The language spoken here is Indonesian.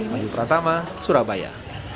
maju pratama surabaya